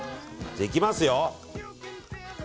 いきますよ。